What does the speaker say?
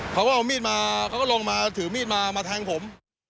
เขาเอามีดมาก็ลงมาถือมีดมาแท้งผม